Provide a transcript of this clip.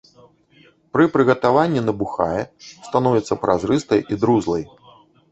Пры прыгатаванні набухае, становіцца празрыстай і друзлай.